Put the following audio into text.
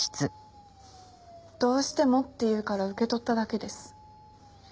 どうしてもって言うから受け取っただけです。